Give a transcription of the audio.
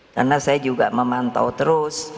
karena saya juga memantau terus